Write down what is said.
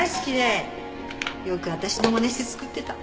よく私のまねして作ってた。